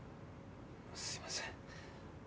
すいません。